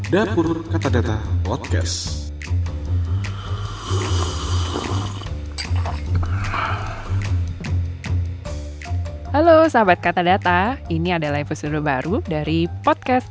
dapur kata data podcast